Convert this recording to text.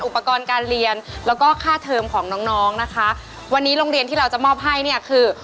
อุปกรณ์การเรียนแล้วก็ค่าเทิมของน้องน้องนะคะวันนี้โรงเรียนที่เราจะมอบให้เนี่ยคือ